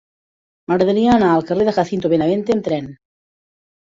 M'agradaria anar al carrer de Jacinto Benavente amb tren.